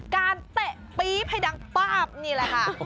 เตะปี๊บให้ดังป๊าบนี่แหละค่ะ